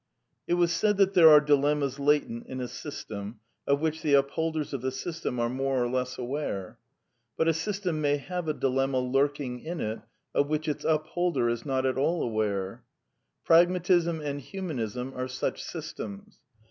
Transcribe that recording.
It was said that there are dilemmas latent in a system, of which the upholders of the system are more or less aware. But a system may have a dilemma lurking in it of which 1 Its upholder is not at all aware. I ^ Pragmatism and Humanism are such systems.